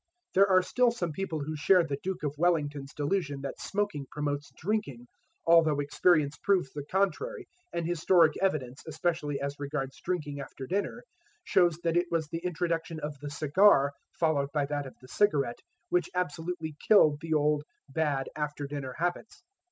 There are still some people who share the Duke of Wellington's delusion that smoking promotes drinking, although experience proves the contrary, and historic evidence, especially as regards drinking after dinner, shows that it was the introduction of the cigar, followed by that of the cigarette, which absolutely killed the old, bad after dinner habits.